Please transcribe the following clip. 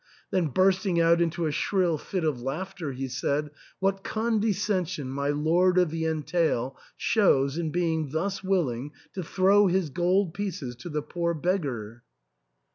Then bursting out into a shrill fit of laughter, he said, " What condescension my lord of the entail shows in being thus willing to throw his gold pieces to the poor beg gar